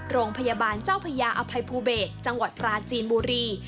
โรงพยาบาลเจ้าพญาอภัยภูเบศจังหวัดปราจีนบุรี